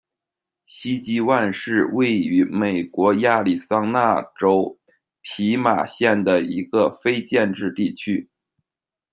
希基万是位于美国亚利桑那州皮马县的一个非建制地区。